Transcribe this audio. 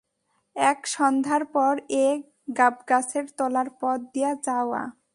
এক সন্ধ্যার পর এ গাবগাছের তলার পথ দিয়া যাওয়া!